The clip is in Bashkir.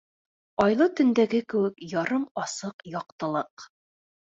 Айлы төндәге кеүек ярым асыҡ яҡтылыҡ.